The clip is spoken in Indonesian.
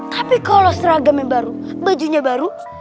tapi kalo seragamnya baru bajunya baru